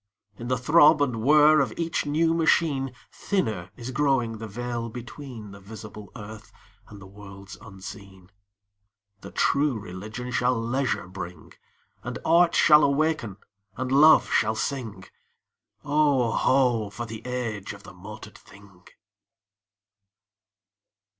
In the throb and whir of each new machine Thinner is growing the veil between The visible earth and the worlds unseen. The True Religion shall leisure bring; And Art shall awaken and Love shall sing: Oh, ho! for the age of the motored thing!